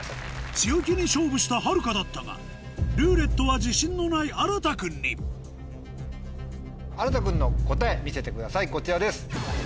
強気に勝負した春香だったがルーレットは自信のないあらた君にあらた君の答え見せてくださいこちらです。